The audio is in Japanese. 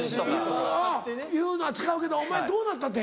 いうのは使うけどお前どうなったって？